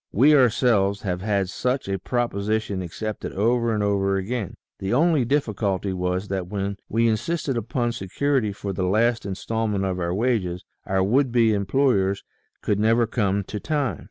We ourselves have had such a proposition accepted over and over again ; the only difficulty was that when we in sisted upon security for the last instalment of our wages, our would be employers could never come to time.